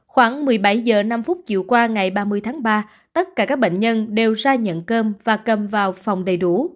khoảng một mươi bảy h năm chiều qua ngày ba mươi tháng ba tất cả các bệnh nhân đều ra nhận cơm và cầm vào phòng đầy đủ